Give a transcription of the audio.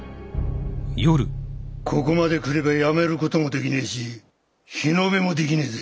ここまで来ればやめる事もできねえし日延べもできねえぜ。